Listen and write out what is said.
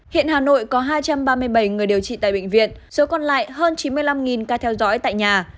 hiện hà nội có hai trăm ba mươi bảy người điều trị tại bệnh viện số còn lại hơn chín mươi năm ca theo dõi tại nhà